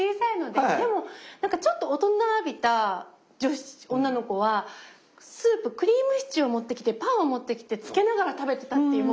でもちょっと大人びた女の子はスープクリームシチューを持ってきてパンを持ってきてつけながら食べてたっていう。